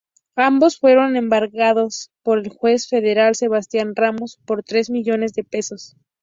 Ambos fueron embargados por el juez federal Sebastián Ramos por tres millones de pesos.